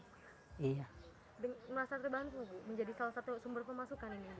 merasa terbantu bu menjadi salah satu sumber pemasukan ini